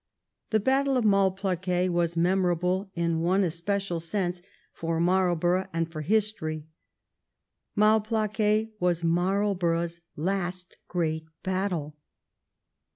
The battle of Malplaquet was memorable in one especial sense for Marlborough and for history. Malplaquet was Marlborough's last great battle.